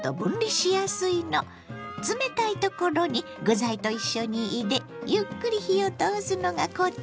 冷たいところに具材と一緒に入れゆっくり火を通すのがコツ。